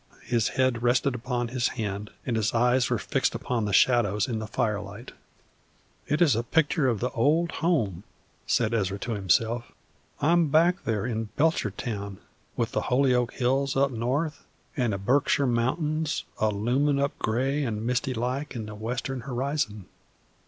His head rested upon his hand, and his eyes were fixed upon the shadows in the firelight. "It is a pictur' of the ol' home," said Ezra to himself. "I am back there in Belchertown, with the Holyoke hills up north an' the Berkshire mountains a loomin' up gray an' misty like in the western horizon.